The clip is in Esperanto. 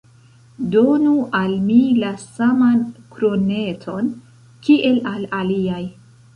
Donu al mi la saman kroneton, kiel al aliaj!